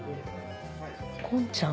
ごんちゃん？